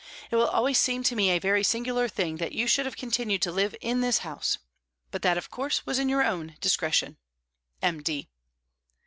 It will always seem to me a very singular thing that you should have continued to live in this house; but that, of course, was in your own discretion. M. D."